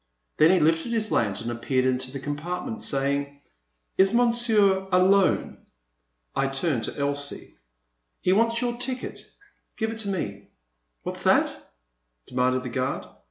Then he lifted his lantern and peered into the compartment saying :Is Monsieur alone ?" I turned to Elsie. He wants your ticket — ^give it to me." What 's that ?" demanded the guard.